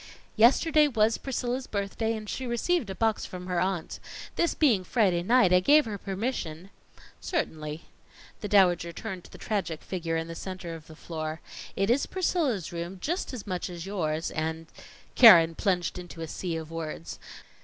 "Yesterday was Priscilla's birthday, and she received a box from her aunt. This being Friday night, I gave her permission " "Certainly." The Dowager turned to the tragic figure in the center of the floor. "It is Priscilla's room as much as yours and " Keren plunged into a sea of words.